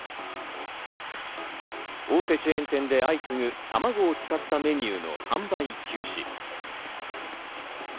大手チェーン店で相次ぐ、たまごを使ったメニューの販売休止。